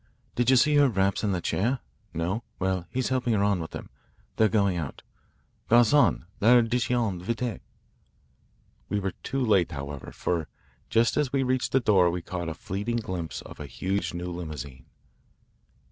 Did you see her wraps in the chair? No? Well, he's helping her on with them. They're going out. Garcon, l'addition vite." We were too late, however, for just as we reached the door we caught a fleeting glimpse of a huge new limousine.